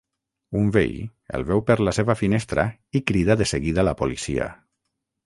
Un veí el veu per la seva finestra i crida de seguida la policia.